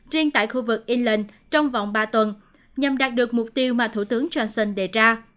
riêng tại khu vực england trong vòng ba tuần nhằm đạt được mục tiêu mà thủ tướng johnson đề ra